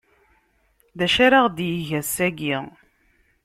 D acu ara ɣ-d-yeg ass-agi?